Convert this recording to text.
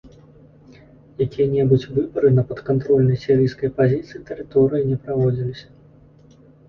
Якія-небудзь выбары на падкантрольнай сірыйскай апазіцыі тэрыторыі не праводзіліся.